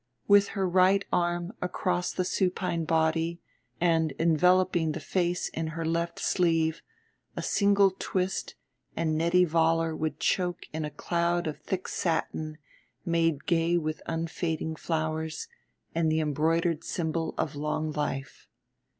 With her right arm across the supine body and enveloping the face in her left sleeve a single twist and Nettie Vollar would choke in a cloud of thick satin made gay with unfading flowers and the embroidered symbol of long life.